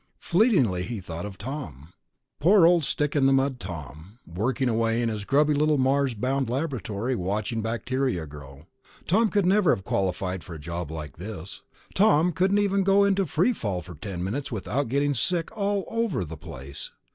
Fleetingly, he thought of Tom ... poor old stick in the mud Tom, working away in his grubby little Mars bound laboratory, watching bacteria grow. Tom could never have qualified for a job like this. Tom couldn't even go into free fall for ten minutes without getting sick all over the place.